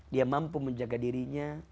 dia mampu menjaga dirinya